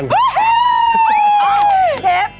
อ้อเชฟ